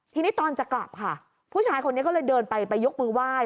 ทีนี้ตอนจะกลับค่ะผู้ชายคนนี้ก็เลยเดินไปไปยกมือไหว้